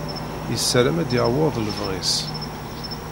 Yessaram ad yaweḍ lebɣi-s.